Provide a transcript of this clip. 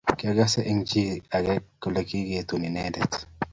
Kiakas eng chi ake kole kikaketun inendet